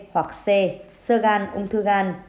hoặc c sơ gan ung thư gan